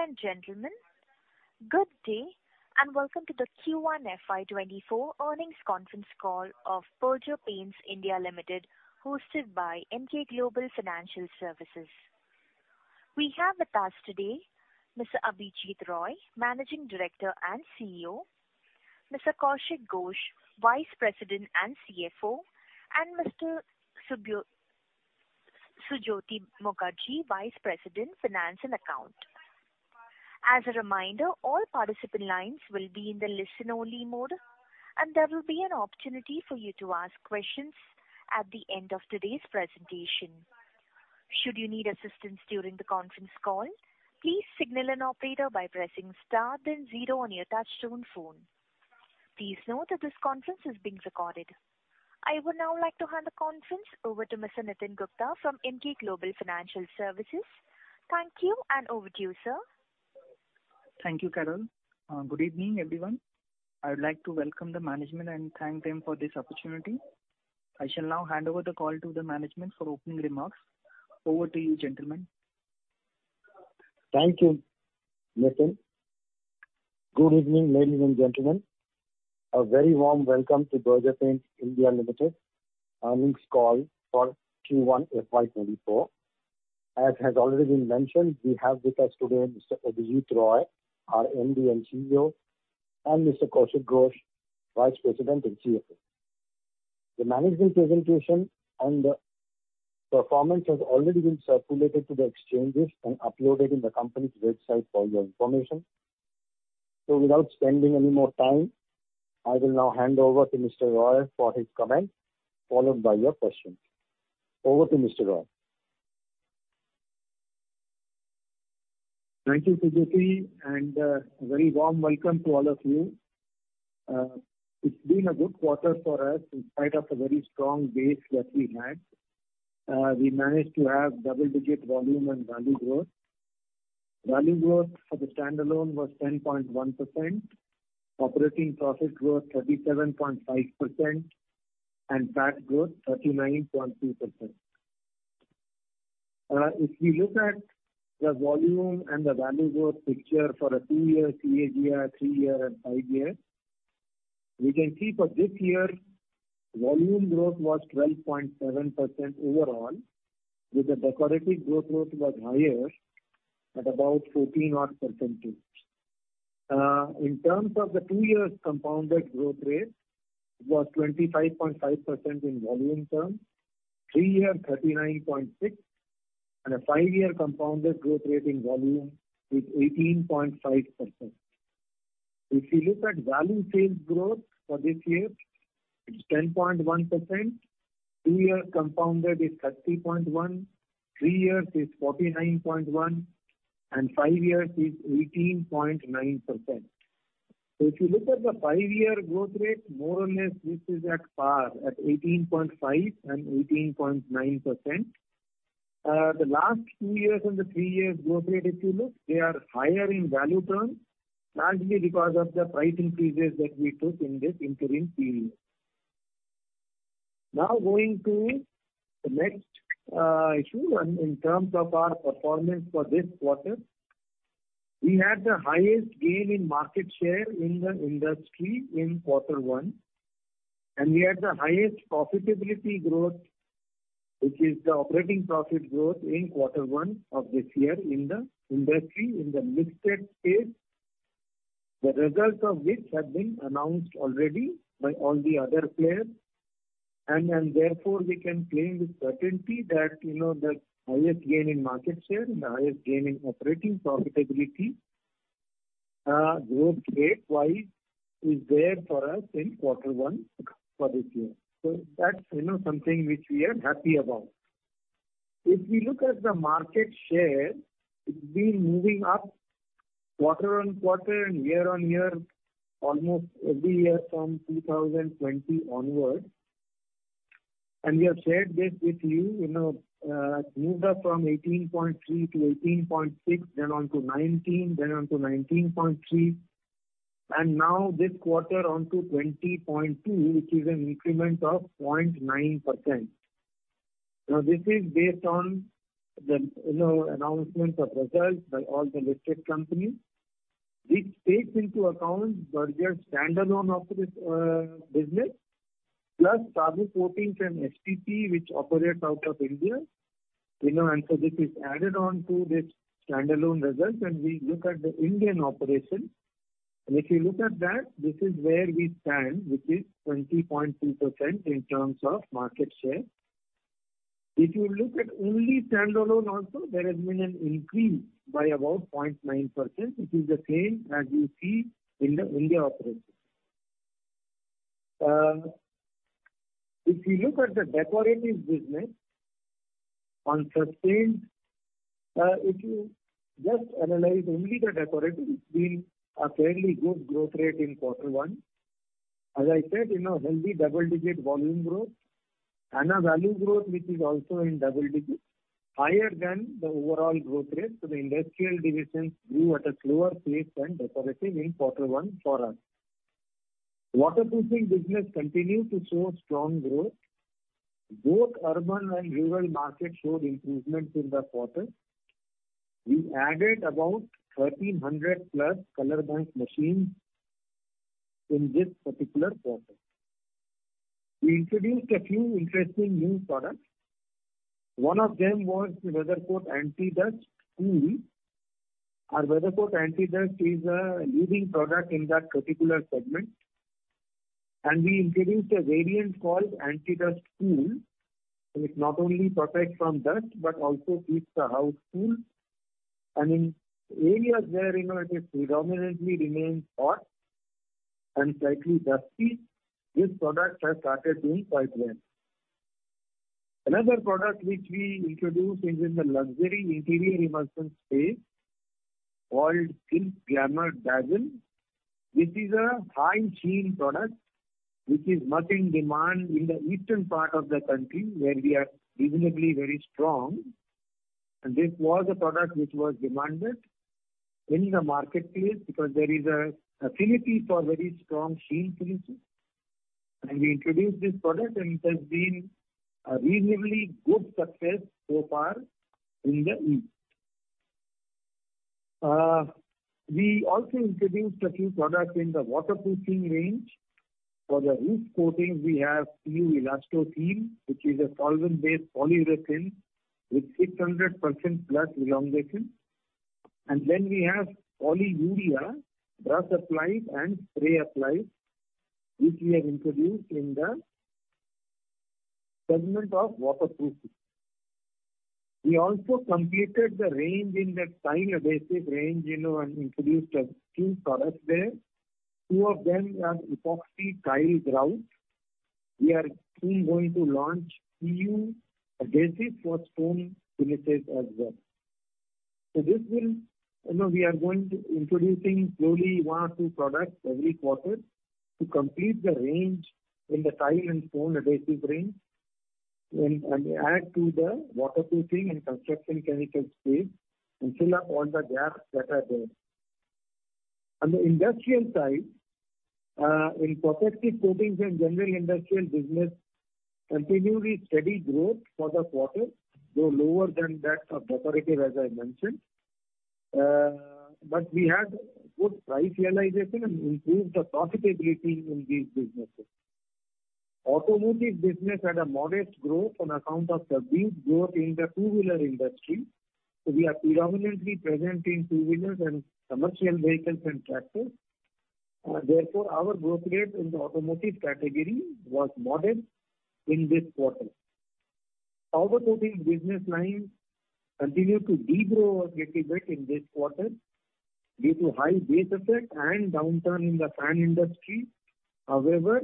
Ladies and gentlemen, good day, and welcome to the Q1 FY24 earnings conference call of Berger Paints India Limited, hosted by NK Global Financial Services. We have with us today Mr. Abhijit Roy, Managing Director and CEO; Mr. Kaushik Ghosh, Vice President and CFO; and Mr. Sujyoti Mukherjee, Vice President, Finance and Account. As a reminder, all participant lines will be in the listen-only mode, and there will be an opportunity for you to ask questions at the end of today's presentation. Should you need assistance during the conference call, please signal an operator by pressing star then zero on your touchtone phone. Please note that this conference is being recorded. I would now like to hand the conference over to Mr. Nitin Gupta from NK Global Financial Services. Thank you, and over to you, sir. Thank you, Carol. Good evening, everyone. I would like to welcome the management and thank them for this opportunity. I shall now hand over the call to the management for opening remarks. Over to you, gentlemen. Thank you, Nitin. Good evening, ladies and gentlemen. A very warm welcome to Berger Paints India Limited earnings call for Q1 FY24. As has already been mentioned, we have with us today Mr. Abhijit Roy, our MD and CEO, and Mr. Kaushik Ghosh, Vice President and CFO. The management presentation and the performance has already been circulated to the exchanges and uploaded in the company's website for your information. Without spending any more time, I will now hand over to Mr. Roy for his comments, followed by your questions. Over to Mr. Roy. Thank you, Sujyoti. A very warm welcome to all of you. It's been a good quarter for us in spite of the very strong base that we had. We managed to have double-digit volume and value growth. Value growth for the standalone was 10.1%, operating profit growth, 37.5%, and PAT growth, 39.2%. If you look at the volume and the value growth picture for a 2-year CAGR, 3-year, and 5-year, we can see for this year, volume growth was 12.7% overall, with the decorative growth rate was higher at about 14 odd percentage. In terms of the 2-year compounded growth rate, it was 25.5% in volume term, 3-year, 39.6%, and a 5-year compounded growth rate in volume is 18.5%. If you look at value sales growth for this year, it's 10.1%, 2-year compounded is 30.1, 3 years is 49.1, and 5 years is 18.9%. If you look at the 5-year growth rate, more or less, this is at par, at 18.5% and 18.9%. The last 2 years and the 3 years growth rate, if you look, they are higher in value terms, largely because of the price increases that we took in this interim period. Now going to the next issue, in terms of our performance for this quarter, we had the highest gain in market share in the industry in quarter one, and we had the highest profitability growth, which is the operating profit growth, in quarter one of this year in the industry, in the mixed pace, the results of which have been announced already by all the other players. Therefore, we can claim with certainty that, you know, the highest gain in market share and the highest gain in operating profitability growth rate-wise, is there for us in quarter one for this year. That's, you know, something which we are happy about. If we look at the market share, it's been moving up quarter-on-quarter and year-on-year, almost every year from 2020 onwards. We have shared this with you, you know, it moved up from 18.3 to 18.6, then on to 19, then on to 19.3, and now this quarter on to 20.2, which is an increment of 0.9%. Now, this is based on the, you know, announcements of results by all the listed companies, which takes into account Berger's standalone business, plus Saboo Coatings and SPP, which operates out of India, you know, and so this is added on to this standalone results. We look at the Indian operation, and if you look at that, this is where we stand, which is 20.2% in terms of market share. If you look at only standalone also, there has been an increase by about 0.9%, which is the same as you see in the India operation. If you look at the decorative business on sustained, if you just analyze only the decorative, it's been a fairly good growth rate in quarter one. As I said, you know, healthy double-digit volume growth and a value growth which is also in double digits, higher than the overall growth rate. The industrial division grew at a slower pace than decorative in quarter one for us. Waterproofing business continued to show strong growth. Both urban and rural markets showed improvements in the quarter. We added about 1,300 plus Color Bank machines in this particular quarter. We introduced a few interesting new products. One of them was the WeatherCoat Anti Dust Cool. Our WeatherCoat Anti Dust is a leading product in that particular segment. We introduced a variant called WeatherCoat Anti Dust Cool, which not only protects from dust, but also keeps the house cool. In areas where, you know, it predominantly remains hot and slightly dusty, this product has started doing quite well. Another product which we introduced is in the luxury interior emulsion space, called Silk Glamour Dazzle. This is a high sheen product, which is much in demand in the eastern part of the country, where we are reasonably very strong. This was a product which was demanded in the marketplace because there is a affinity for very strong sheen finishes. We introduced this product, and it has been a reasonably good success so far in the East. We also introduced a few products in the waterproofing range. For the roof coatings, we have new Elastothane, which is a solvent-based polyurethane with 600% plus elongation. Then we have Polyurea, brush applied and spray applied, which we have introduced in the segment of waterproofing. We also completed the range in the tile adhesive range, you know, and introduced a few products there. Two of them are epoxy tile grout. We are soon going to launch new adhesive for stone finishes as well. This will, you know, we are going to introducing slowly one or two products every quarter to complete the range in the tile and stone adhesive range, and, and add to the waterproofing and construction chemical space, and fill up all the gaps that are there. On the industrial side, in protective coatings and general industrial business, continually steady growth for the quarter, though lower than that of decorative, as I mentioned, but we had good price realization and improved the profitability in these businesses. Automotive business had a modest growth on account of the weak growth in the two-wheeler industry. We are predominantly present in two-wheelers and commercial vehicles and tractors. Therefore, our growth rate in the automotive category was modest in this quarter. Powder coating business line continued to de-grow a little bit in this quarter due to high base effect and downturn in the fan industry. However,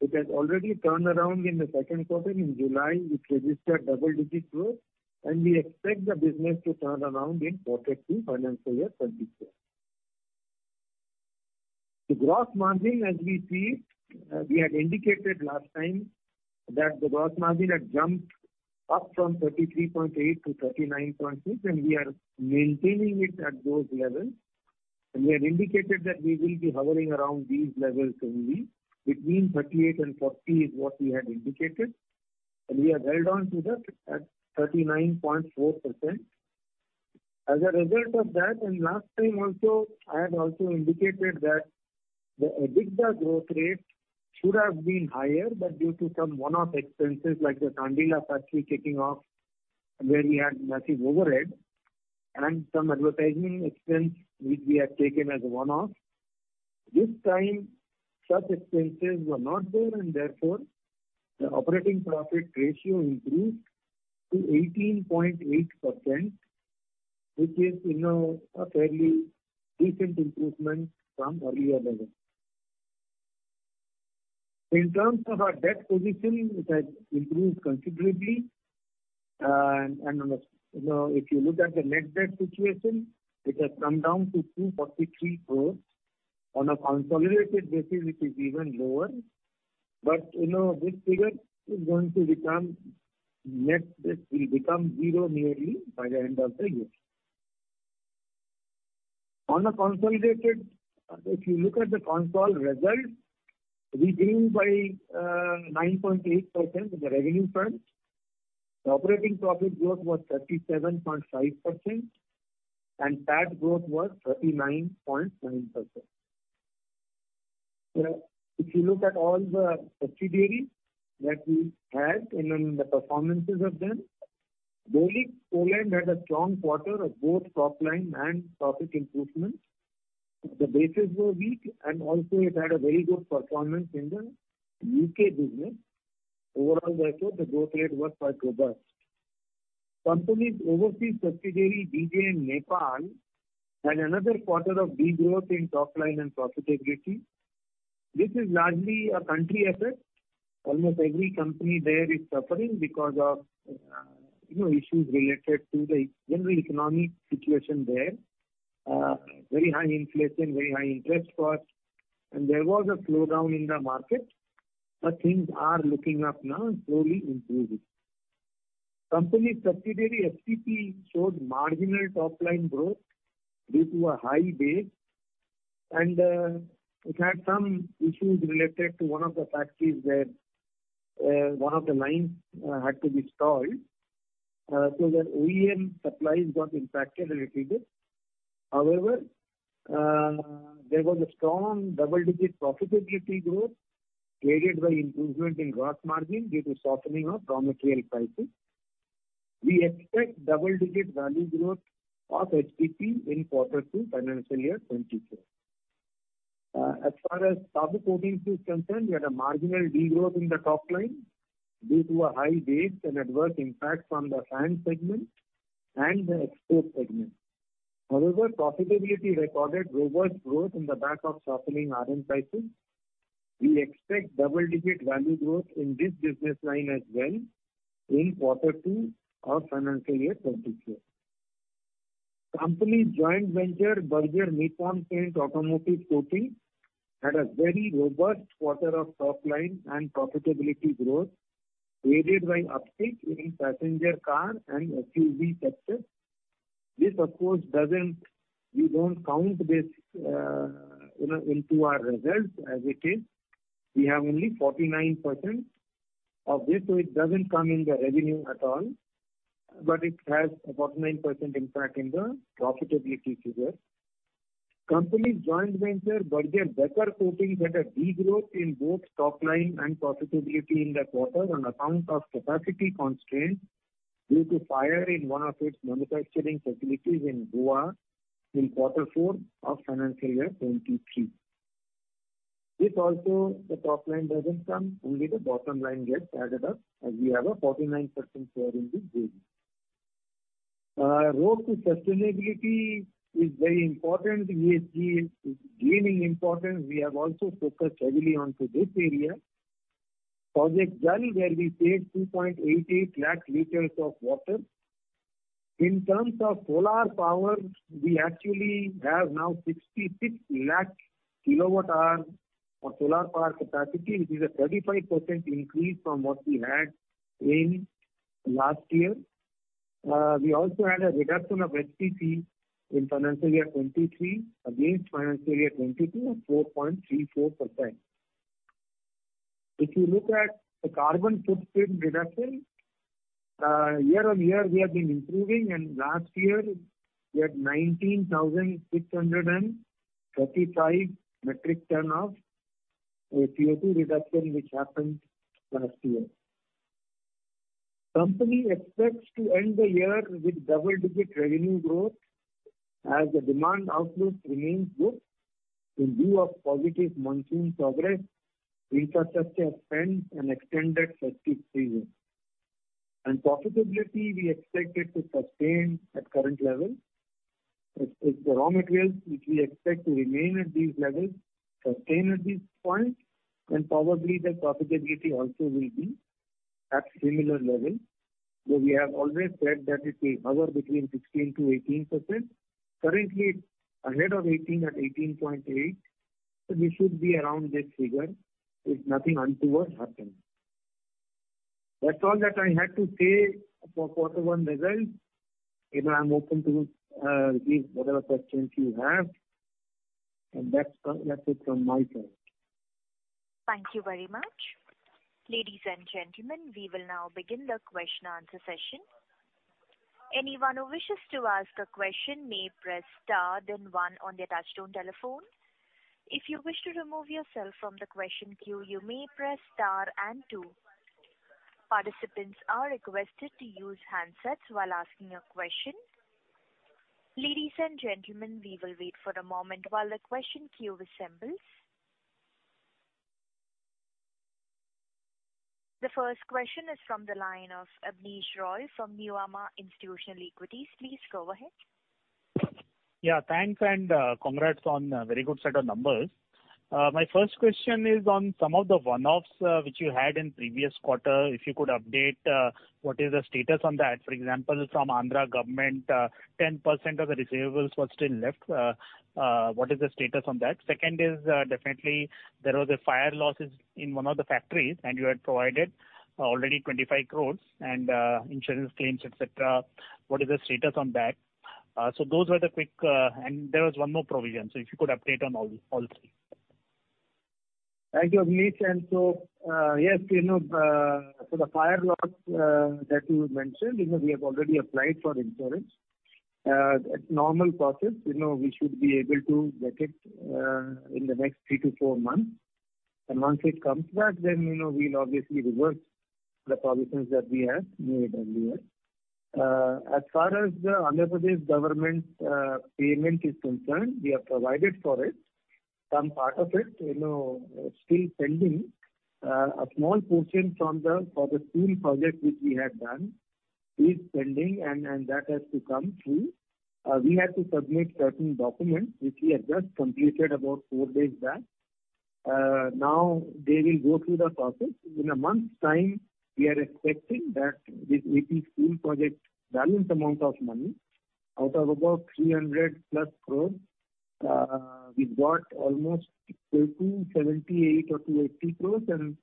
it has already turned around in the second quarter. In July, it registered double-digit growth, and we expect the business to turn around in quarter two, financial year 2022. The gross margin, as we see, we had indicated last time that the gross margin had jumped up from 33.8 to 39.6, and we are maintaining it at those levels. We had indicated that we will be hovering around these levels only, between 38 and 40 is what we had indicated, and we have held on to that at 39.4%. As a result of that, last time also, I had also indicated that the EBITDA growth rate should have been higher, but due to some one-off expenses, like the Kandla factory kicking off, where we had massive overhead and some advertising expense, which we had taken as a one-off, this time such expenses were not there, and therefore, the operating profit ratio improved to 18.8%, which is, you know, a fairly decent improvement from earlier levels. In terms of our debt position, it has improved considerably. You know, if you look at the net debt situation, it has come down to 243 crore. On a consolidated basis, it is even lower. You know, this figure is going to become this will become zero nearly by the end of the year. On a consolidated, if you look at the consolid result, we grew by 9.8% in the revenue front. The operating profit growth was 37.5%, and PAT growth was 39.9%. If you look at all the subsidiaries that we have and then the performances of them, Berolins Poland had a strong quarter of both top line and profit improvement. The bases were weak, and also it had a very good performance in the U.K. business. Overall, therefore, the growth rate was quite robust. Company's overseas subsidiary, BJN Nepal, had another quarter of de-growth in top line and profitability. This is largely a country effect. Almost every company there is suffering because of, you know, issues related to the general economic situation there. Very high inflation, very high interest costs, and there was a slowdown in the market, but things are looking up now and slowly improving. Company's subsidiary, STP Limited, showed marginal top line growth due to a high base, and it had some issues related to one of the factories where one of the lines had to be stalled, so the OEM supplies got impacted a little bit. However, there was a strong double-digit profitability growth created by improvement in gross margin due to softening of raw material prices. We expect double-digit value growth of HTP in quarter two, financial year 2024. As far as public coatings is concerned, we had a marginal de-growth in the top line due to a high base and adverse impact from the sand segment and the export segment. However, profitability recorded robust growth on the back of softening iron prices. We expect double-digit value growth in this business line as well in quarter two of financial year 2024. Company's joint venture, Berger Nippon Paint Automotive Coating, had a very robust quarter of top line and profitability growth, aided by uptick in passenger car and SUV sector. This, of course, doesn't, we don't count this, you know, into our results as it is. We have only 49% of this, so it doesn't come in the revenue at all, but it has about 9% impact in the profitability figures. Company's joint venture, Berger Becker Coatings, had a de-growth in both top line and profitability in the quarter on account of capacity constraints due to fire in one of its manufacturing facilities in Goa in Q4 FY23. This also, the top line doesn't come, only the bottom line gets added up, as we have a 49% share in this business. Road to sustainability is very important. ESG is gaining importance. We have also focused heavily onto this area. Project Jal, where we saved 2.88 lakh liters of water. In terms of solar power, we actually have now 66 lakh kilowatt hour of solar power capacity, which is a 35% increase from what we had in last year. We also had a reduction of HTP in FY23 against FY22 of 4.34%. If you look at the carbon footprint reduction, year-on-year, we have been improving, and last year we had 19,635 metric ton of CO2 reduction, which happened last year. Company expects to end the year with double-digit revenue growth as the demand outlook remains good in view of positive monsoon progress, infrastructure spend, and extended festive season. Profitability, we expect it to sustain at current levels. If the raw materials, which we expect to remain at these levels, sustain at this point, then probably the profitability also will be at similar level. We have always said that it will hover between 16%-18%. Currently, it's ahead of 18 at 18.8, so we should be around this figure if nothing untoward happens. That's all that I have to say about quarter one results. You know, I'm open to, any, whatever questions you have, and that's, that's it from my side. Thank you very much. Ladies and gentlemen, we will now begin the question and answer session. Anyone who wishes to ask a question may press star then 1 on their touchtone telephone. If you wish to remove yourself from the question queue, you may press star and 2. Participants are requested to use handsets while asking a question. Ladies and gentlemen, we will wait for a moment while the question queue assembles. The first question is from the line of Abneesh Roy from Nuvama Institutional Equities. Please go ahead. Yeah, thanks, congrats on a very good set of numbers. My first question is on some of the one-offs, which you had in previous quarter. If you could update, what is the status on that? For example, from Andhra Government, 10% of the receivables were still left. What is the status on that? Second is, definitely there was a fire losses in one of the factories, and you had provided already 25 crore and insurance claims, et cetera. What is the status on that? So those were the quick. There was one more provision. If you could update on all the, all three. Thank you, Abneesh. Yes, you know, for the fire loss, that you mentioned, you know, we have already applied for insurance. At normal process, you know, we should be able to get it, in the next 3-4 months. Once it comes back, then, you know, we'll obviously reverse the provisions that we have made earlier. As far as the Andhra Pradesh government, payment is concerned, we have provided for it. Some part of it, you know, is still pending. A small portion from the, for the school project which we have done is pending and, that has to come through. We had to submit certain documents, which we have just completed about 4 days back. Now they will go through the process. In a month's time, we are expecting that this AP school project balance amount of money out of about 300+ crore. We've got almost 78 crore-80 crore, and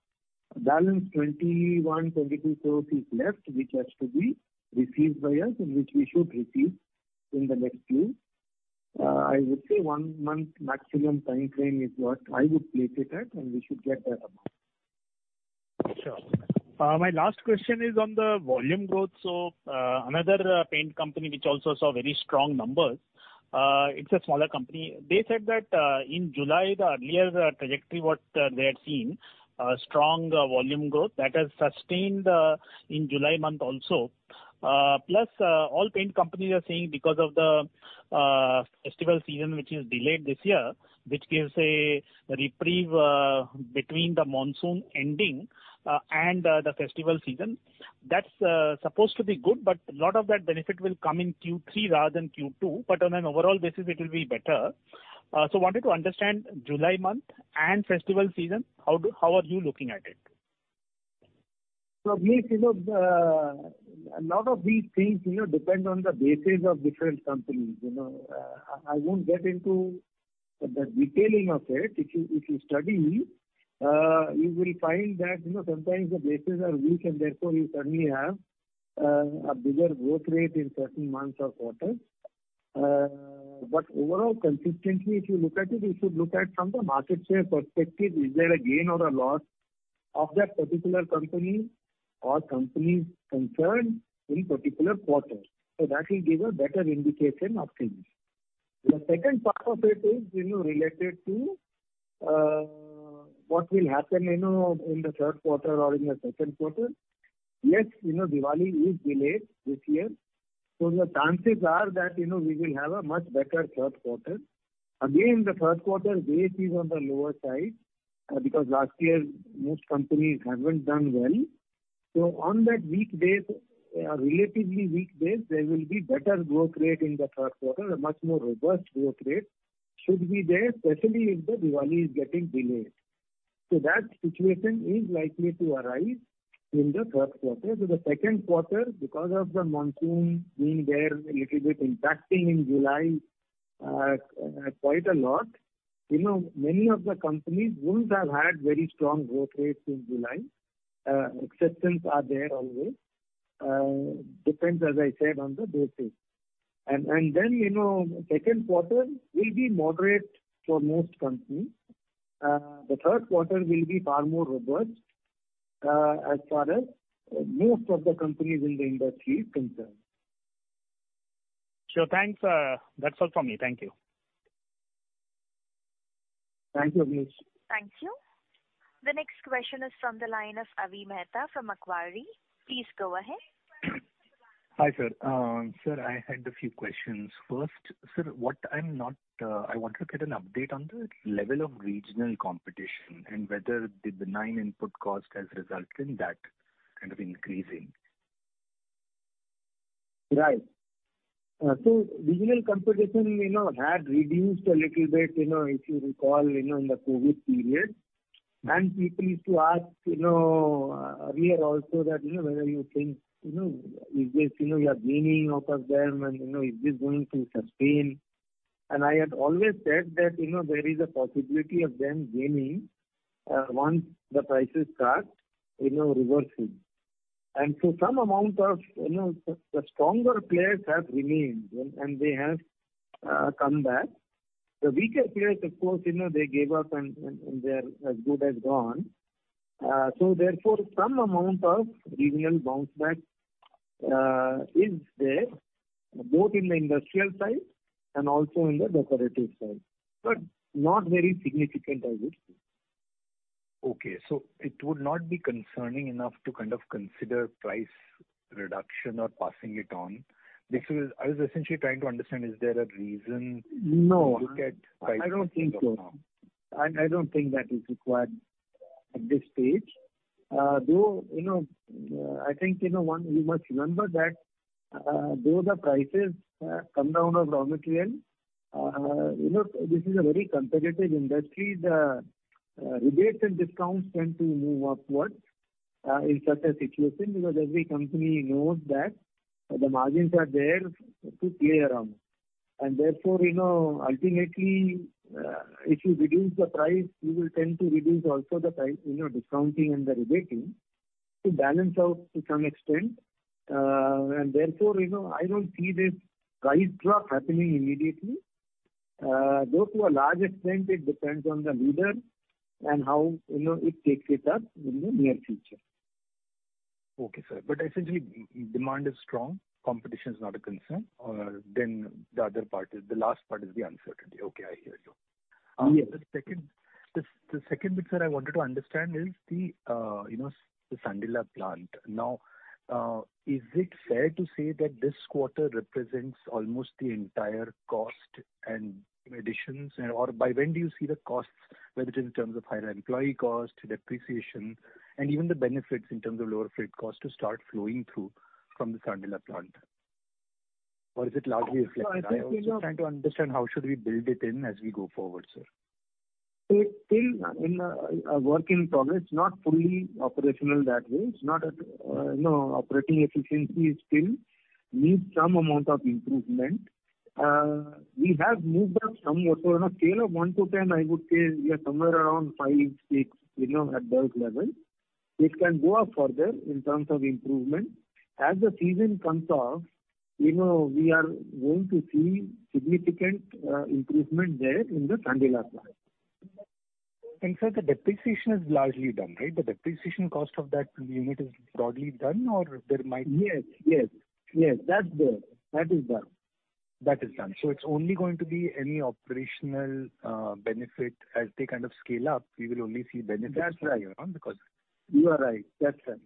balance 21 crore-22 crore is left, which has to be received by us, and which we should receive in the next few, I would say one month maximum time frame is what I would place it at, and we should get that amount. Sure. My last question is on the volume growth. Another paint company, which also saw very strong numbers, it's a smaller company. They said that in July, the earlier trajectory, what they had seen, a strong volume growth that has sustained in July month also. Plus, all paint companies are saying because of the festival season, which is delayed this year, which gives a reprieve between the monsoon ending and the festival season. That's supposed to be good, but a lot of that benefit will come in Q3 rather than Q2, but on an overall basis, it will be better. Wanted to understand July month and festival season, how are you looking at it? Amit, you know, the, a lot of these things, you know, depend on the bases of different companies, you know. I, I won't get into the detailing of it. If you, if you study, you will find that, you know, sometimes the bases are weak, and therefore, you suddenly have a bigger growth rate in certain months or quarters. But overall, consistently, if you look at it, you should look at from the market share perspective, is there a gain or a loss of that particular company or companies concerned in particular quarter? That will give a better indication of things. The second part of it is, you know, related to what will happen, you know, in the third quarter or in the second quarter. Yes, you know, Diwali is delayed this year, the chances are that, you know, we will have a much better third quarter. Again, the third quarter base is on the lower side, because last year most companies haven't done well. On that weak base, a relatively weak base, there will be better growth rate in the third quarter. A much more robust growth rate should be there, especially if the Diwali is getting delayed. That situation is likely to arise in the third quarter. The second quarter, because of the monsoon being there, a little bit impacting in July, quite a lot, you know, many of the companies wouldn't have had very strong growth rates in July. Exceptions are there always. Depends, as I said, on the basis. Then, you know, second quarter will be moderate for most companies. The third quarter will be far more robust, as far as most of the companies in the industry concerned. Sure, thanks. That's all for me. Thank you. Thank you, Amit. Thank you. The next question is from the line of Avi Mehta from Macquarie. Please go ahead. Hi, sir. sir, I had a few questions. First, sir, what I'm not, I want to get an update on the level of regional competition and whether the benign input cost has resulted in that kind of increasing. Right. So regional competition, you know, had reduced a little bit, you know, if you recall, you know, in the COVID period. People used to ask, you know, earlier also that, you know, whether you think, you know, is this, you know, you are gaining off of them and, you know, is this going to sustain? I had always said that, you know, there is a possibility of them gaining, once the prices start, you know, reversing. So some amount of, you know, the, the stronger players have remained and, and they have, come back. The weaker players, of course, you know, they gave up, and, and, and they are as good as gone. Therefore, some amount of regional bounce back is there, both in the industrial side and also in the decorative side, but not very significant I would say. Okay. It would not be concerning enough to kind of consider price reduction or passing it on? Because I was essentially trying to understand, is there a reason. No. To look at prices? I don't think so. I don't think that is required at this stage. Though, you know, I think, you know, one, we must remember that, though the prices come down or raw material, you know, this is a very competitive industry. The rebates and discounts tend to move upwards in such a situation, because every company knows that the margins are there to play around. Therefore, you know, ultimately, if you reduce the price, you will tend to reduce also the price, you know, discounting and the rebating to balance out to some extent. Therefore, you know, I don't see this price drop happening immediately. Though to a large extent it depends on the leader and how, you know, it takes it up in the near future. Okay, sir. Essentially, demand is strong, competition is not a concern. The other part is, the last part is the uncertainty. Okay, I hear you. Yes. The second, the second bit, sir, I wanted to understand is the, you know, the Sandila plant. Now, is it fair to say that this quarter represents almost the entire cost and additions? Or by when do you see the costs, whether it is in terms of higher employee cost, depreciation, and even the benefits in terms of lower freight costs, to start flowing through from the Sandila plant? Or is it largely reflected? I think, you know. I was just trying to understand how should we build it in as we go forward, sir. It's still in a, a work in progress, not fully operational that way. It's not at, you know, operating efficiency, it still needs some amount of improvement. We have moved up some. On a scale of 1 to 10, I would say we are somewhere around 5, 6, you know, at those levels. It can go up further in terms of improvement. As the season comes off, you know, we are going to see significant improvement there in the Sandila plant. Sir, the depreciation is largely done, right? The depreciation cost of that unit is broadly done or there might- Yes, yes. Yes, that's there. That is done. That is done. It's only going to be any operational benefit. As they kind of scale up, we will only see benefits. That's right. -because- You are right. That's done.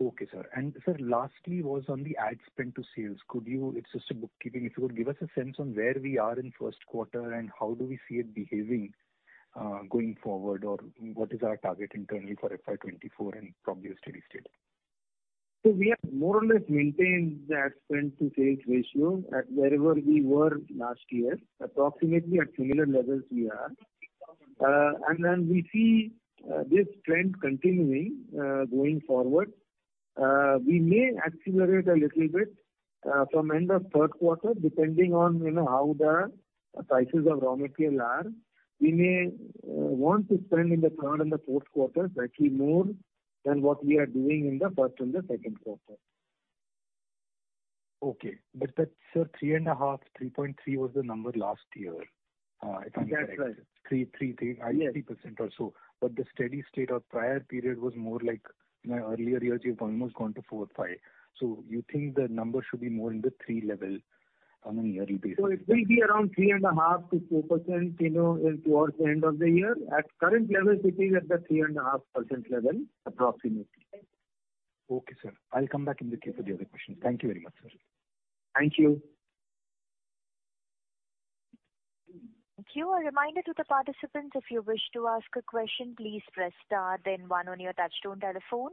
Okay, sir. Sir, lastly, was on the ad spend to sales. Could you... It's just a bookkeeping. If you could give us a sense on where we are in first quarter, and how do we see it behaving, going forward? What is our target internally for FY 2024 and from the steady state? We have more or less maintained the ad spend to sales ratio at wherever we were last year. Approximately at similar levels we are. We see this trend continuing going forward. We may accelerate a little bit from end of third quarter, depending on, you know, how the prices of raw material are. We may want to spend in the third and the fourth quarters, actually more than what we are doing in the first and the second quarter. Okay. That's 3.5, 3.3 was the number last year, if I'm correct. That's right. 3, 3, 3. Yes. 3% or so. The steady state or prior period was more like, in earlier years, you've almost gone to 4, 5. You think the number should be more in the 3 level on a yearly basis? It will be around 3.5%-4%, you know, towards the end of the year. At current levels, it is at the 3.5% level, approximately. Okay, sir. I'll come back in the queue for the other questions. Thank you very much, sir. Thank you. Thank you. A reminder to the participants, if you wish to ask a question, please press star then 1 on your touchtone telephone.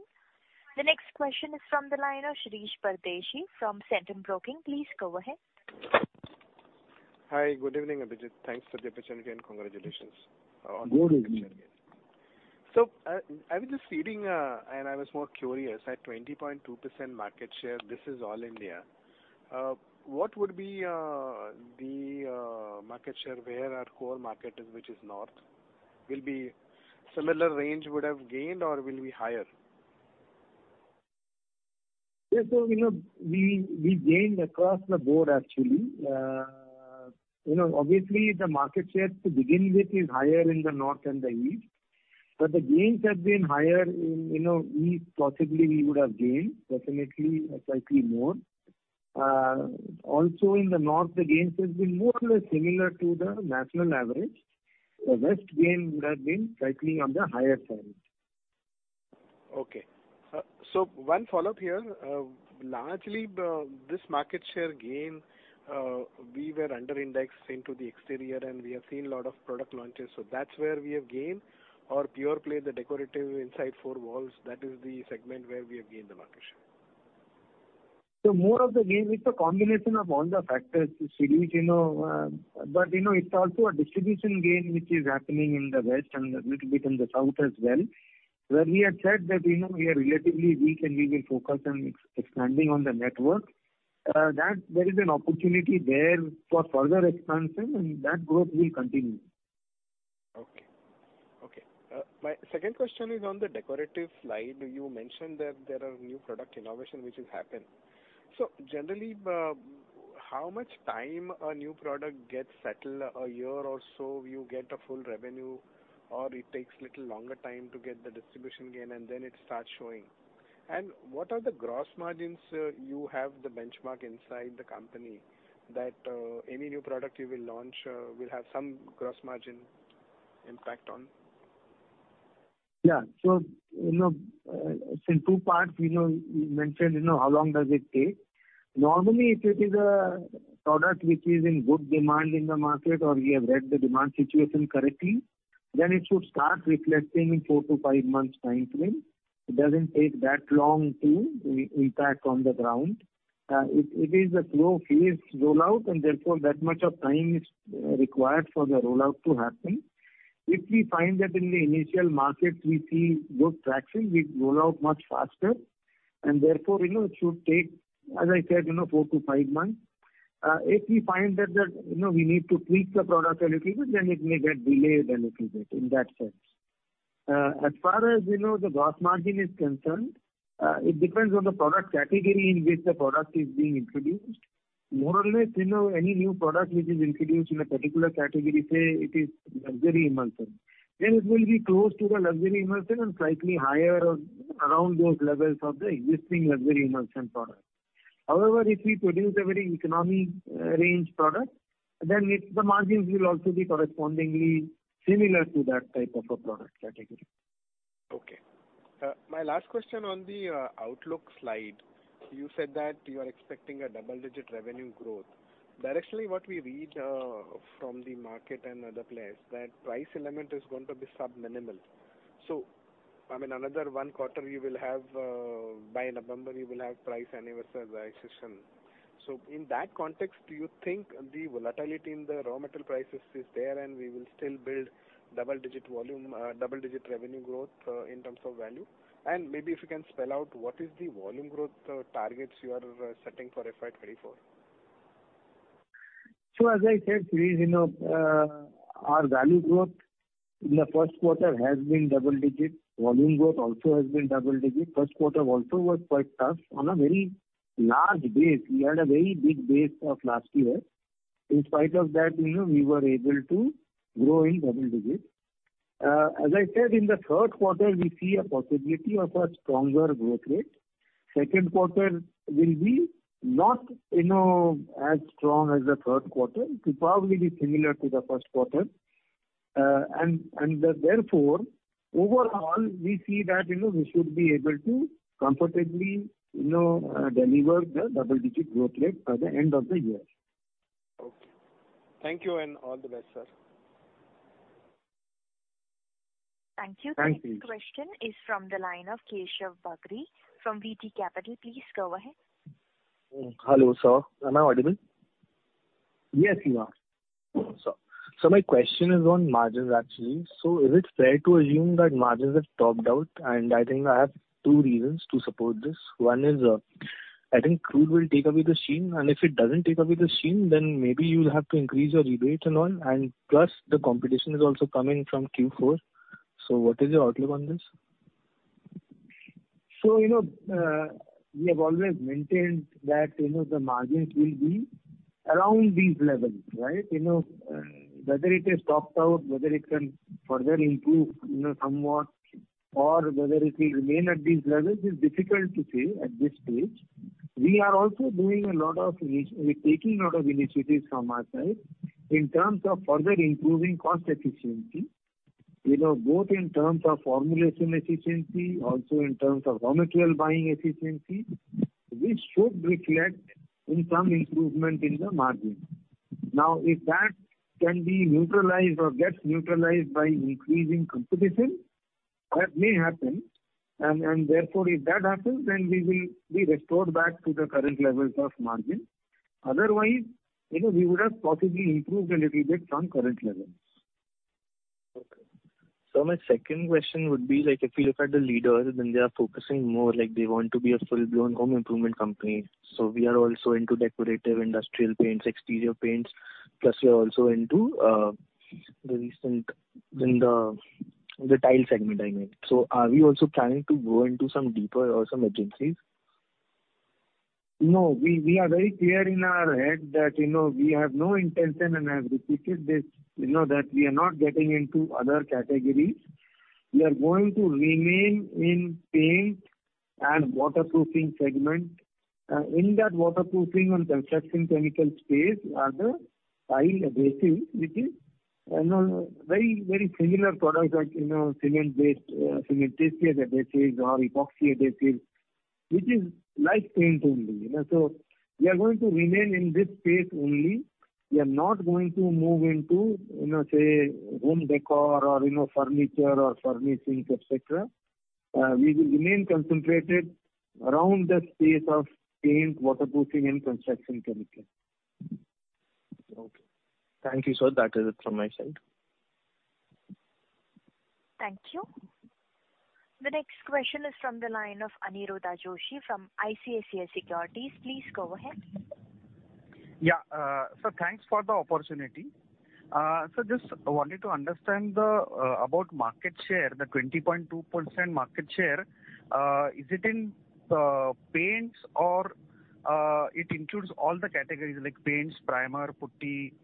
The next question is from the line of Shirish Pardeshi from Centrum Broking. Please go ahead. Hi, good evening, Abhijit. Thanks for the opportunity and congratulations on. Good evening. I was just reading, and I was more curious. At 20.2% market share, this is all India. What would be the market share where our core market is, which is North? Will be similar range would have gained or will be higher? Yeah, you know, we, we gained across the board, actually. You know, obviously, the market share to begin with is higher in the north and the east, the gains have been higher in, you know, east, possibly we would have gained definitely slightly more. Also in the north, the gains has been more or less similar to the national average. The west gain would have been slightly on the higher side. Okay. One follow-up here. Largely, this market share gain, we were under indexed into the exterior, and we have seen a lot of product launches, so that's where we have gained? Pure play the decorative inside four walls, that is the segment where we have gained the market share? More of the gain is a combination of all the factors, which, you know. You know, it's also a distribution gain, which is happening in the west and a little bit in the south as well. Where we had said that, you know, we are relatively weak, and we will focus on expanding on the network. That there is an opportunity there for further expansion, and that growth will continue. Okay, okay. My second question is on the decorative slide. You mentioned that there are new product innovation which is happening. Generally, how much time a new product gets settled? A year or so, you get a full revenue, or it takes little longer time to get the distribution gain, and then it starts showing. What are the gross margins, you have the benchmark inside the company, that, any new product you will launch, will have some gross margin impact on? Yeah. You know, it's in two parts. You know, you mentioned, you know, how long does it take? Normally, if it is a product which is in good demand in the market or we have read the demand situation correctly, then it should start reflecting in four to five months timeframe. It doesn't take that long to impact on the ground. It, it is a slow phased rollout, and therefore, that much of time is required for the rollout to happen. If we find that in the initial markets we see good traction, we roll out much faster, and therefore, you know, it should take, as I said, you know, four to five months. If we find that the, you know, we need to tweak the product a little bit, then it may get delayed a little bit in that sense. As far as, you know, the gross margin is concerned, it depends on the product category in which the product is being introduced. More or less, you know, any new product which is introduced in a particular category, say, it is luxury emulsion, then it will be close to the luxury emulsion and slightly higher around those levels of the existing luxury emulsion product. However, if we produce a very economy range product, then the margins will also be correspondingly similar to that type of a product category. Okay. My last question on the outlook slide. You said that you are expecting a double-digit revenue growth. Directionally, what we read from the market and other players, that price element is going to be sub-minimal. I mean, another 1 quarter you will have by November, you will have price annualization. In that context, do you think the volatility in the raw material prices is there, and we will still build double-digit volume, double-digit revenue growth in terms of value? Maybe if you can spell out what is the volume growth targets you are setting for FY 2024. As I said, we, you know, our value growth in the first quarter has been double digit. Volume growth also has been double digit. First quarter also was quite tough. On a very large base, we had a very big base of last year. In spite of that, you know, we were able to grow in double digits. As I said, in the third quarter, we see a possibility of a stronger growth rate. Second quarter will be not, you know, as strong as the third quarter. It will probably be similar to the first quarter. And therefore, overall, we see that, you know, we should be able to comfortably, you know, deliver the double-digit growth rate by the end of the year. Okay. Thank you, and all the best, sir. Thank you. Thank you. The next question is from the line of Keshav Bagri from VT Capital. Please go ahead. Hello, sir. Am I audible? Yes, you are. My question is on margins, actually. Is it fair to assume that margins have topped out? I think I have 2 reasons to support this. One is, I think crude will take away the sheen, and if it doesn't take away the sheen, then maybe you'll have to increase your rebate and all. Plus, the competition is also coming from Q4. What is your outlook on this? You know, we have always maintained that, you know, the margins will be around these levels, right? You know, whether it has topped out, whether it can further improve, you know, somewhat, or whether it will remain at these levels, is difficult to say at this stage. We are also doing a lot of we're taking a lot of initiatives from our side in terms of further improving cost efficiency, you know, both in terms of formulation efficiency, also in terms of raw material buying efficiency, which should reflect in some improvement in the margin. If that can be neutralized or gets neutralized by increasing competition, that may happen. Therefore, if that happens, we will be restored back to the current levels of margin. Otherwise, you know, we would have possibly improved a little bit from current levels. Okay. My second question would be like, if you look at the leaders, then they are focusing more, like they want to be a full-blown home improvement company. We are also into decorative industrial paints, exterior paints, plus we are also into, the recent, in the, the tile segment, I mean. Are we also planning to go into some deeper or some agencies? No, we, we are very clear in our head that, you know, we have no intention, and I have repeated this, you know, that we are not getting into other categories. We are going to remain in paint and waterproofing segment. In that waterproofing and construction chemical space are the tile adhesive, which is, you know, very, very similar products like, you know, cement-based, cement paste adhesives or epoxy adhesives, which is like paint only, you know. We are going to remain in this space only. We are not going to move into, you know, say, home decor or, you know, furniture or furnishings, et cetera. We will remain concentrated around the space of paint, waterproofing and construction chemicals. Okay. Thank you, sir. That is it from my side. Thank you. The next question is from the line of Aniruddha Joshi from ICICI Securities. Please go ahead. Yeah. Thanks for the opportunity. Just wanted to understand the about market share, the 20.2% market share. Is it in paints or it includes all the categories like paints, primer, putty,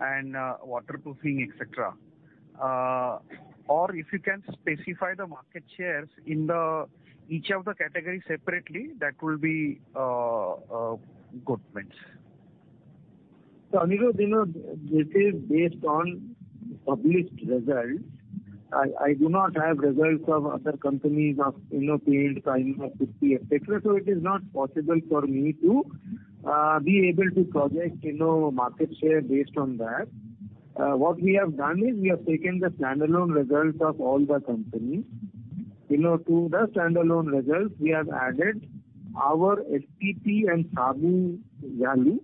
and waterproofing, et cetera? Or if you can specify the market shares in the each of the categories separately, that will be good points. Anirudh, you know, this is based on published results. I, I do not have results of other companies of, you know, paint, primer, putty, et cetera. It is not possible for me to be able to project, you know, market share based on that. What we have done is, we have taken the standalone results of all the companies. You know, to the standalone results, we have added our SPP and SABU value,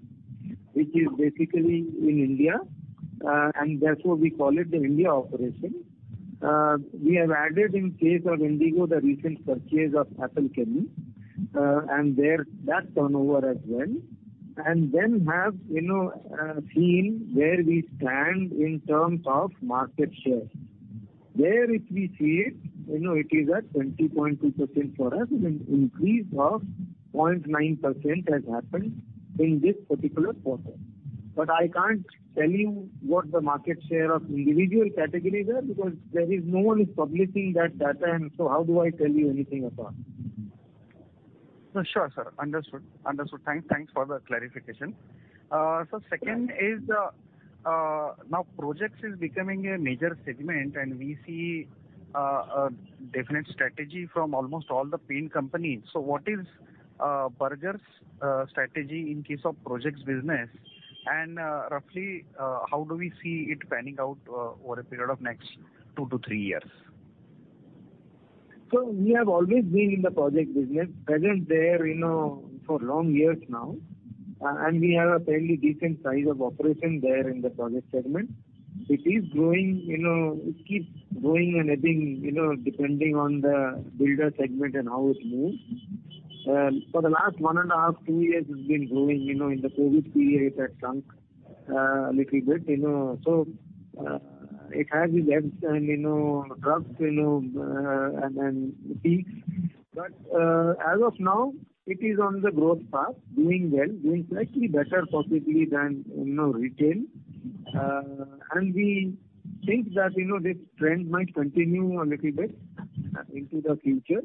which is basically in India, and therefore we call it the India operation. We have added, in case of Indigo, the recent purchase of Apple Chemist, and their, that turnover as well, and then have, you know, seen where we stand in terms of market share. There, if we see it, you know, it is at 20.2% for us, an increase of 0.9% has happened in this particular quarter. I can't tell you what the market share of individual categories are, because there is no one is publishing that data, and so how do I tell you anything about it? Sure, sir. Understood. Understood. Thanks, thanks for the clarification. Second is, now projects is becoming a major segment, and we see a definite strategy from almost all the paint companies. What is Berger's strategy in case of projects business? Roughly, how do we see it panning out over a period of next two to three years? We have always been in the project business, present there, you know, for long years now. We have a fairly decent size of operation there in the project segment. It is growing, you know, it keeps growing and ebbing, you know, depending on the builder segment and how it moves. For the last 1 and a half, 2 years, it's been growing, you know, in the COVID period it had shrunk, a little bit, you know. It has its ebbs and, you know, troughs, you know, and, and peaks. As of now, it is on the growth path, doing well, doing slightly better possibly than, you know, retail. We think that, you know, this trend might continue a little bit into the future.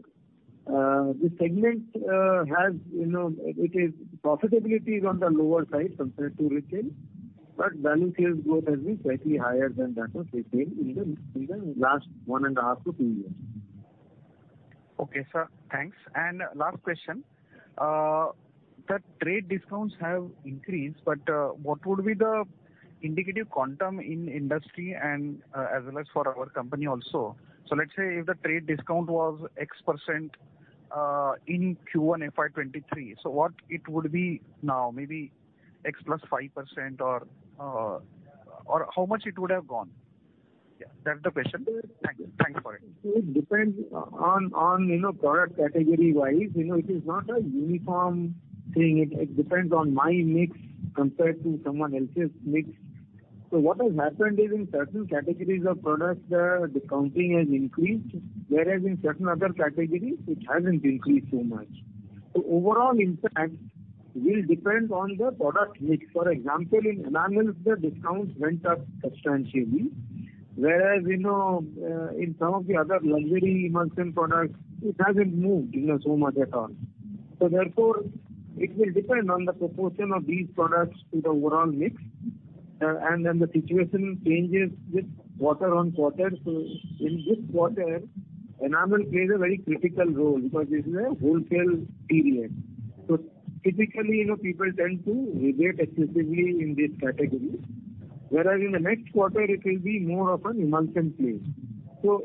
This segment has, you know, profitability is on the lower side compared to retail, but value sales growth has been slightly higher than that of retail in the last 1.5-2 years. Okay, sir. Thanks. Last question. The trade discounts have increased, but, what would be the indicative quantum in industry and, as well as for our company also? Let's say if the trade discount was X% in Q1 FY23, so what it would be now? Maybe X plus 5% or, or how much it would have gone? That's the question. Thank you. Thanks for it. It depends on, on, you know, product category-wise. You know, it is not a uniform thing. It, it depends on my mix compared to someone else's mix. What has happened is in certain categories of products, the discounting has increased, whereas in certain other categories it hasn't increased so much. Overall impact will depend on the product mix. For example, in enamels, the discounts went up substantially, whereas, you know, in some of the other luxury emulsion products, it hasn't moved, you know, so much at all. Therefore, it will depend on the proportion of these products to the overall mix. Then the situation changes with quarter on quarter. In this quarter, enamel plays a very critical role because this is a wholesale period. Typically, you know, people tend to rebate excessively in this category. Whereas in the next quarter it will be more of an emulsion play.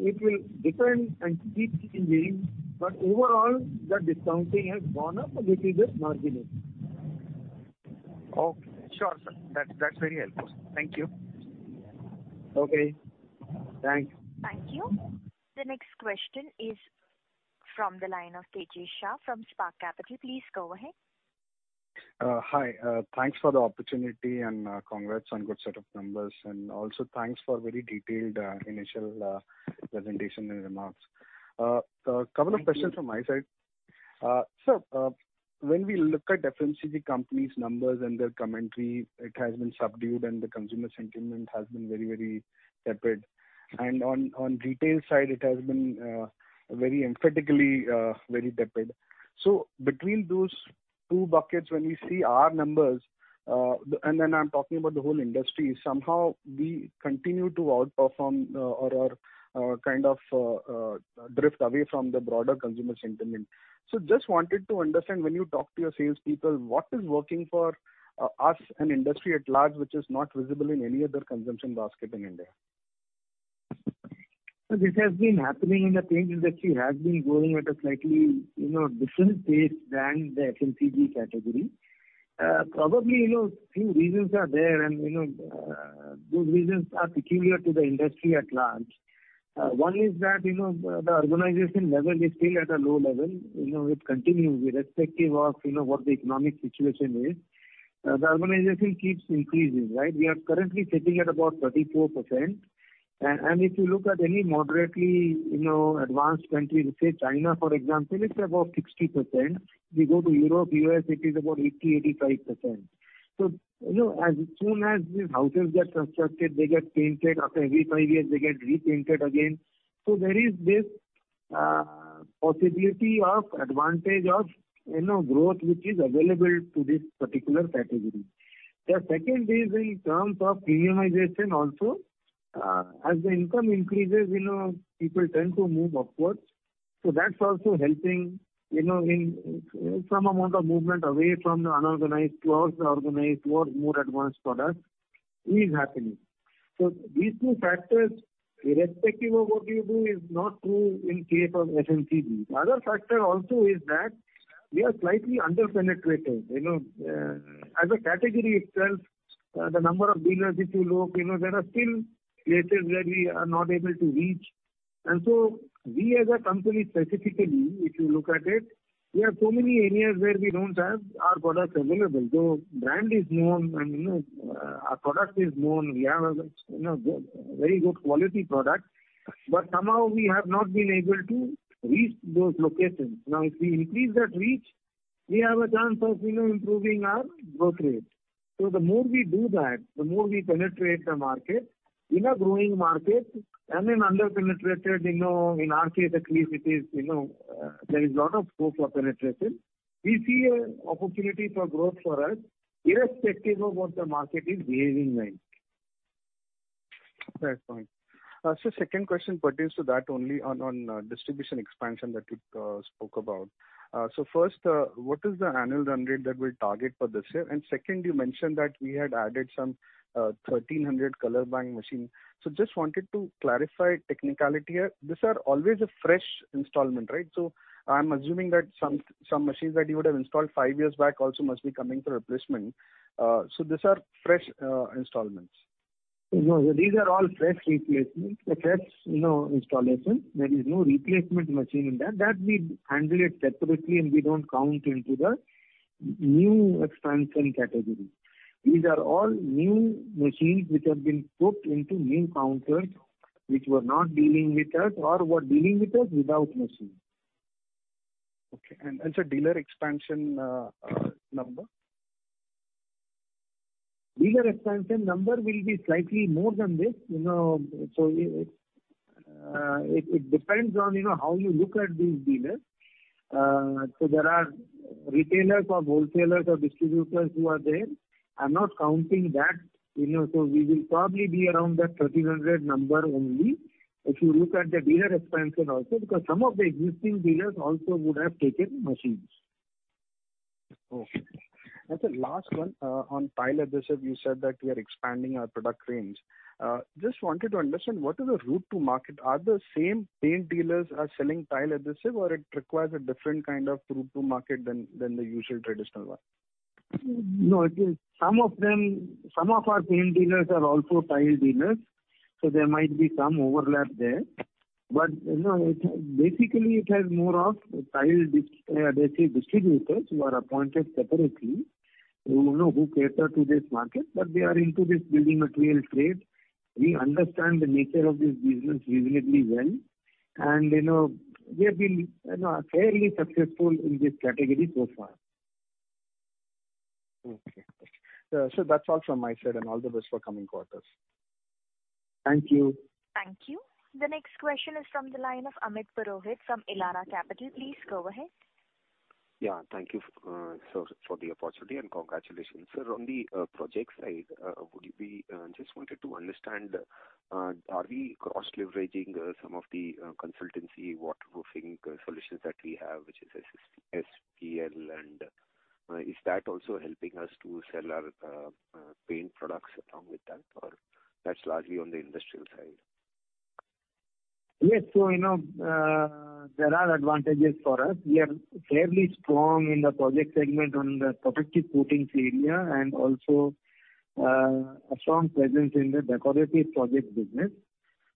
It will depend and keep changing. Overall, the discounting has gone up a little bit marginally. Okay. Sure, sir. That's, that's very helpful. Thank you. Okay, thanks. Thank you. The next question is from the line of Tejas Shah from Avendus Spark. Please go ahead. Hi. Thanks for the opportunity and congrats on good set of numbers, and also thanks for very detailed, initial presentation and remarks. Thank you. A couple of questions from my side. When we look at FMCG company's numbers and their commentary, it has been subdued, and the consumer sentiment has been very, very tepid. On, on retail side, it has been, very emphatically, very tepid. Between those two buckets, when we see our numbers, the... And then I'm talking about the whole industry, somehow we continue to outperform, or, or, kind of, drift away from the broader consumer sentiment. Just wanted to understand, when you talk to your salespeople, what is working for us and industry at large, which is not visible in any other consumption basket in India? This has been happening, and the paint industry has been growing at a slightly, you know, different pace than the FMCG category. Probably, you know, few reasons are there, and, you know, those reasons are peculiar to the industry at large. One is that, you know, the organization level is still at a low level. You know, it continues irrespective of, you know, what the economic situation is. The organization keeps increasing, right? We are currently sitting at about 34%. And if you look at any moderately, you know, advanced country, say China, for example, it's about 60%. If you go to Europe, US, it is about 80%-85%. You know, as soon as these houses get constructed, they get painted. After every 5 years, they get repainted again. There is this possibility of advantage of, you know, growth, which is available to this particular category. The second is in terms of premiumization also. As the income increases, you know, people tend to move upwards, so that's also helping, you know, in some amount of movement away from the unorganized towards the organized, towards more advanced products is happening. These two factors, irrespective of what you do, is not true in case of FMCG. The other factor also is that we are slightly under-penetrated. You know, as a category itself, the number of dealers is too low. You know, there are still places where we are not able to reach. We as a company specifically, if you look at it, we have so many areas where we don't have our products available. Brand is known and, you know, our product is known. We have a, you know, good, very good quality product. Somehow we have not been able to reach those locations. If we increase that reach, we have a chance of, you know, improving our growth rate. The more we do that, the more we penetrate the market. In a growing market and in under-penetrated, you know, in our case at least, it is, you know, there is a lot of scope for penetration. We see an opportunity for growth for us irrespective of what the market is behaving like. Fair point. Second question pertains to that only on, on distribution expansion that you spoke about. First, what is the annual run rate that we'll target for this year? Second, you mentioned that we had added some 1,300 Colourbank machine. Just wanted to clarify technicality here. These are always a fresh installment, right? I'm assuming that some, some machines that you would have installed 5 years back also must be coming for replacement. These are fresh installments? No, these are all fresh replacements. A fresh, you know, installation. There is no replacement machine in that. We handle it separately, and we don't count into the new expansion category. These are all new machines which have been put into new counters, which were not dealing with us or were dealing with us without machines. Okay. And sir, dealer expansion number? Dealer expansion number will be slightly more than this, you know. It, it depends on, you know, how you look at these dealers. There are retailers or wholesalers or distributors who are there. I'm not counting that, you know, so we will probably be around the 1,300 number only. If you look at the dealer expansion also, because some of the existing dealers also would have taken machines. Okay. Sir, last one, on tile adhesive, you said that we are expanding our product range. Just wanted to understand, what is the route to market? Are the same paint dealers are selling tile adhesive, or it requires a different kind of route to market than the usual traditional one? No, it is some of them, some of our paint dealers are also tile dealers, so there might be some overlap there. You know, it, basically, has more of tile dis- adhesive distributors who are appointed separately, who, you know, who cater to this market, but they are into this building material trade. We understand the nature of this business reasonably well, and, you know, we have been, you know, fairly successful in this category so far. Okay. That's all from my side. All the best for coming quarters. Thank you. Thank you. The next question is from the line of Amit Purohit from Elara Capital. Please go ahead. Yeah. Thank you, sir, for the opportunity, and congratulations. Sir, on the project side, would you be... Just wanted to understand, are we cross-leveraging some of the consultancy, waterproofing solutions that we have, which is SPL, and is that also helping us to sell our paint products along with that, or that's largely on the industrial side? Yes. You know, there are advantages for us. We are fairly strong in the project segment on the protective coatings area, and also, a strong presence in the decorative projects business.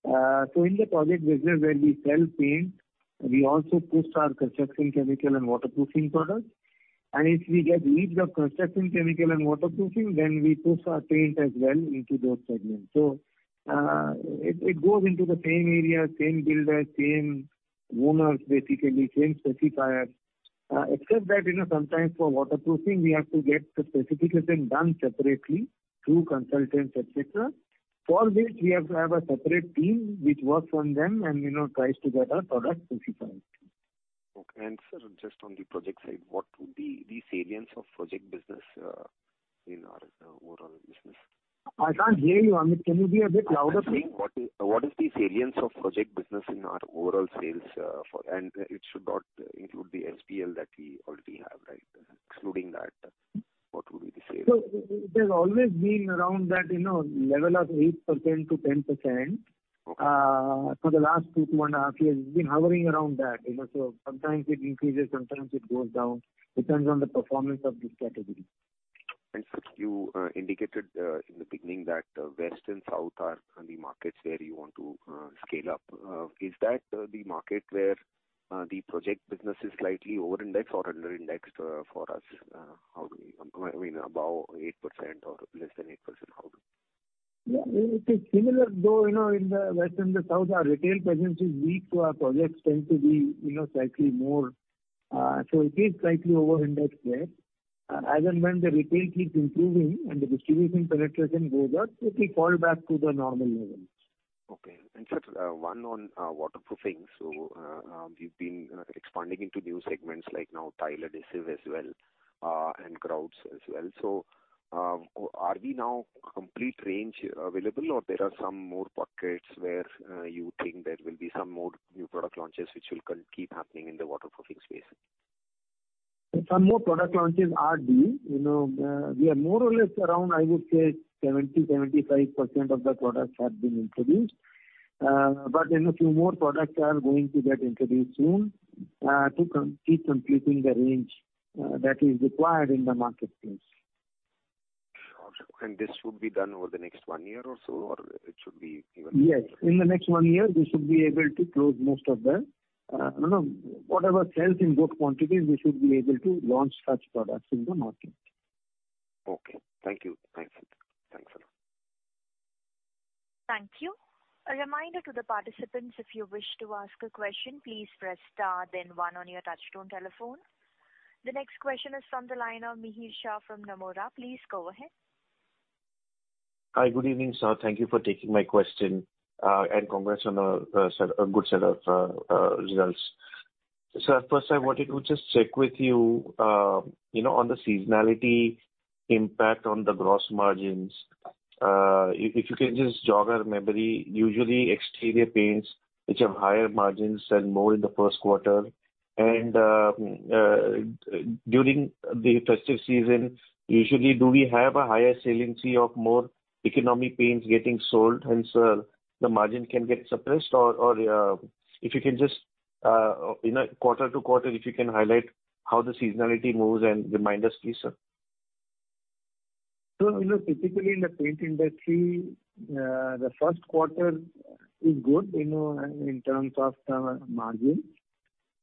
In the project business, where we sell paint, we also push our construction chemical and waterproofing products. If we get leads of construction chemical and waterproofing, then we push our paint as well into those segments. It goes into the same area, same builder, same owners, basically, same specifiers. Except that, you know, sometimes for waterproofing, we have to get the specification done separately through consultants, et cetera. For which we have to have a separate team which works on them and, you know, tries to get our products specified. Okay. sir, just on the project side, what would be the salience of project business, in our overall business? I can't hear you, Amit. Can you be a bit louder, please? I'm saying, what is, what is the salience of project business in our overall sales, for... It should not include the SPL that we already have, right? Excluding that, what would be the sales? It, it has always been around that, you know, level of 8%-10%. Okay. For the last 2.5 years, it's been hovering around that, you know, so sometimes it increases, sometimes it goes down. Depends on the performance of this category. Sir, you indicated in the beginning that West and South are the markets where you want to scale up. Is that the market where the project business is slightly over indexed or under indexed for us? How do you, I mean, above 8% or less than 8%, how do you? Yeah, it is similar, though, you know, in the West and the South, our retail presence is weak, so our projects tend to be, you know, slightly more. It is slightly over indexed there. As and when the retail keeps improving and the distribution penetration goes up, it will fall back to the normal levels. Okay. Sir, one on waterproofing. You've been expanding into new segments like now tile adhesive as well, and grouts as well. Are we now complete range available, or there are some more pockets where you think there will be some more new product launches which will keep happening in the waterproofing space? Some more product launches are due. You know, we are more or less around, I would say 70%, 75% of the products have been introduced. Then a few more products are going to get introduced soon, to keep completing the range, that is required in the marketplace. Okay. This would be done over the next one year or so, or it should be even- Yes, in the next one year, we should be able to close most of the, you know, whatever sells in good quantities, we should be able to launch such products in the market. Okay. Thank you. Thanks, sir. Thanks, a lot. Thank you. A reminder to the participants, if you wish to ask a question, please press star then one on your touchtone telephone. The next question is from the line of Mihir Shah from Nomura. Please go ahead. Hi. Good evening, sir. Thank you for taking my question, and congrats on a, sir, a good set of results. Sir, first I wanted to just check with you, you know, on the seasonality impact on the gross margins. If, if you can just jog our memory, usually, exterior paints, which have higher margins, sell more in the first quarter. During the festive season, usually do we have a higher saliency of more economic paints getting sold, hence, the margin can get suppressed? Or, or, if you can just, you know, quarter to quarter, if you can highlight how the seasonality moves and remind us, please, sir. You know, typically in the paint industry, the first quarter is good, you know, in, in terms of margin.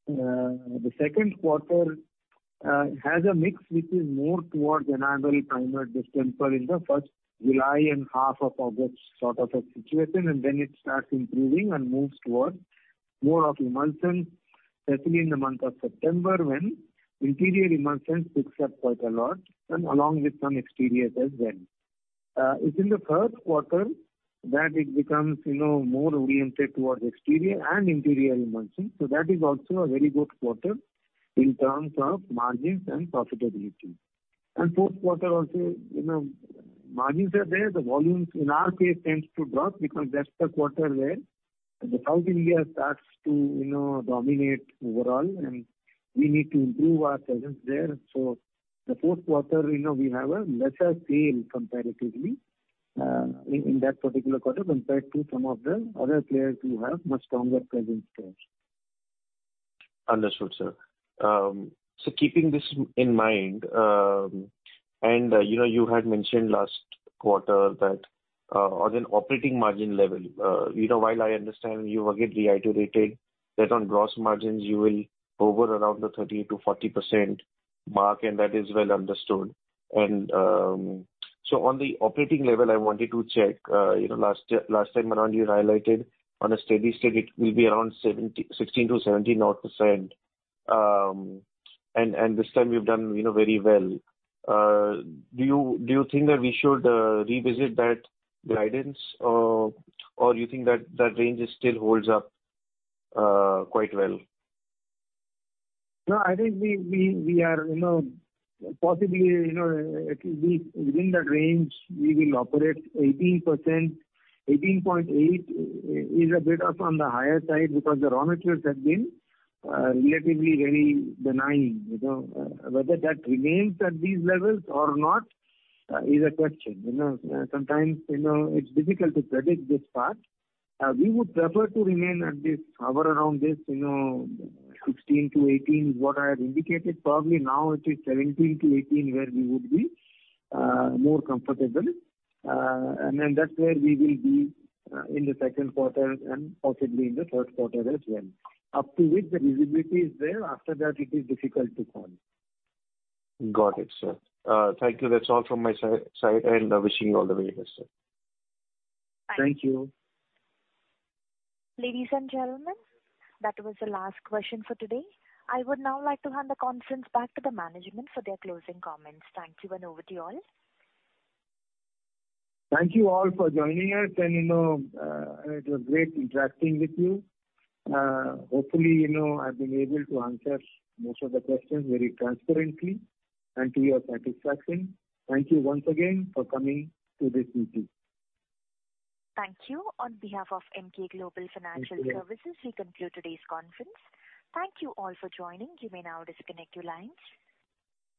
The second quarter has a mix which is more towards enable primer distemper in the first July and half of August, sort of a situation, and then it starts improving and moves towards more of emulsion, especially in the month of September, when interior emulsions picks up quite a lot, and along with some exteriors as well. It's in the third quarter that it becomes, you know, more oriented towards exterior and interior emulsion. That is also a very good quarter in terms of margins and profitability. Fourth quarter also, you know, margins are there, the volumes in our case tends to drop because that's the quarter where the South India starts to, you know, dominate overall, and we need to improve our presence there. The fourth quarter, you know, we have a lesser sale comparatively, in that particular quarter, compared to some of the other players who have much stronger presence there. Understood, sir. Keeping this in mind, and, you know, you had mentioned last quarter that on an operating margin level, you know, while I understand you will get reiterated, that on gross margins you will hover around the 30%-40% mark, and that is well understood. On the operating level, I wanted to check, you know, last time around, you highlighted on a steady state, it will be around 16%-17% odd. This time you've done, you know, very well. Do you think that we should revisit that guidance? Or you think that, that range still holds up quite well? No, I think we, we, we are, you know, possibly, you know, it will be within that range, we will operate 18%. 18.8% is a bit off on the higher side because the raw materials have been relatively very benign. You know, whether that remains at these levels or not is a question. You know, sometimes, you know, it's difficult to predict this part. We would prefer to remain at this, hover around this, you know, 16%-18%, what I have indicated. Probably now it is 17%-18%, where we would be more comfortable. Then that's where we will be in the second quarter and possibly in the third quarter as well. Up to which the visibility is there, after that, it is difficult to call. Got it, sir. Thank you. That's all from my side. Wishing you all the very best, sir. Thank you. Ladies and gentlemen, that was the last question for today. I would now like to hand the conference back to the management for their closing comments. Thank you. Over to you all. Thank you all for joining us, and, you know, it was great interacting with you. Hopefully, you know, I've been able to answer most of the questions very transparently and to your satisfaction. Thank you once again for coming to this meeting. Thank you. On behalf of Emkay Global Financial Services. Thank you. We conclude today's conference. Thank you all for joining. You may now disconnect your lines.